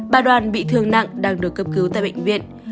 bà đoàn bị thương nặng đang được cấp cứu tại bệnh viện